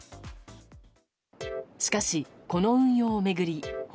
しかし、この運用を巡り方